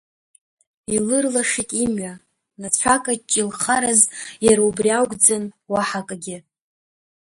Илырлашеит имҩа, Нацәа каҷҷа илхараз иара убри акәӡан, уаҳа акагьы.